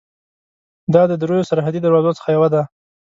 دا د درېیو سرحدي دروازو څخه یوه ده.